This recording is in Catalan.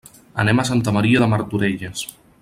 Anem a Santa Maria de Martorelles.